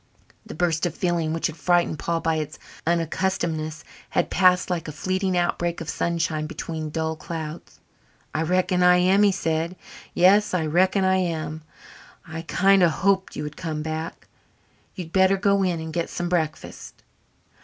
The burst of feeling which had frightened Paul by its unaccustomedness had passed like a fleeting outbreak of sunshine between dull clouds. "I reckon I am," he said. "Yes, I reckon I am. I kind of hoped you would come back. You'd better go in and get some breakfast."